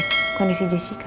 untuk cek kondisi jessica